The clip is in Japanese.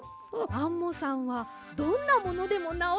アンモさんはどんなものでもなおせるんですね！